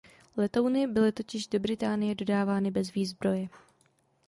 Letouny byly totiž do Británie dodávány bez výzbroje.